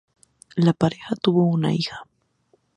La pareja tuvo una hija.